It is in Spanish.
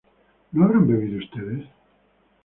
¿no habrán bebido ustedes?